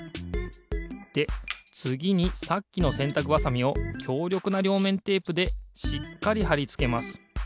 でつぎにさっきのせんたくばさみをきょうりょくなりょうめんテープでしっかりはりつけます。